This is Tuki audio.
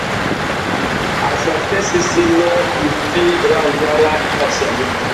Azatê séssénô mpí râ andjara i fatiyamú?